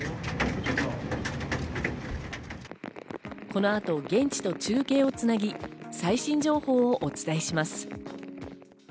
この後、現地と中継をつなぎ、最新情報をお伝えします。